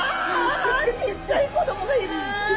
ちっちゃい子供がいる！